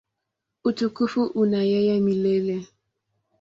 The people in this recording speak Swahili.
Utukufu una yeye milele.